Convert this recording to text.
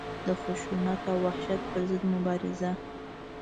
د خشونت او وحشت پر ضد مبارزه.